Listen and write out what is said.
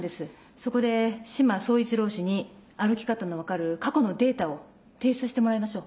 そこで志摩総一郎氏に歩き方の分かる過去のデータを提出してもらいましょう。